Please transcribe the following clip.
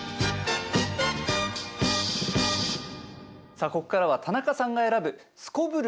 さあここからは田中さんが選ぶすこぶる